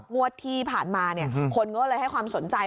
งวดที่ผ่านมาคนก็เลยให้ความสนใจ